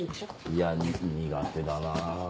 いや苦手だなあ。